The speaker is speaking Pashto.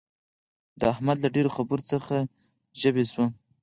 د احمد له ډېرو خبرو څخه ژبۍ شوه.